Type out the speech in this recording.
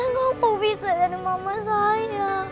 bu intan gak mau bisa dari mama saya